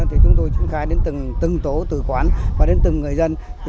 thì chúng tôi trung khai đến từng tổ từ quán và đến từng người dân